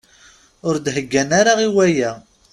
Ur d-heggan ara i waya.